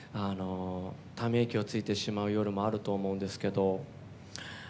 ため息をついてしまう夜もあると思うんですけど。